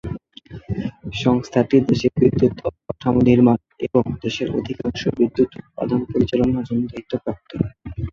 সংস্থাটি দেশের বিদ্যুৎ অবকাঠামো নির্মাণ এবং দেশের অধিকাংশ বিদ্যুৎ উৎপাদন পরিচালনার জন্য দায়িত্বপ্রাপ্ত।